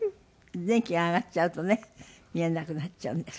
電気が上がっちゃうとね見えなくなっちゃうんですけど。